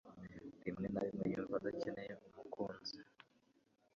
rimwe na rimwe yumva adakeneye umukunzi